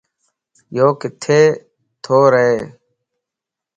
يوڪٿي تو ره؟